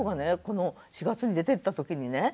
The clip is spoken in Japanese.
この４月に出てった時にね